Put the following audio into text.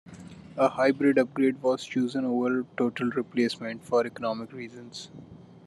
A hybrid upgrade was chosen over total replacement, for economic reasons.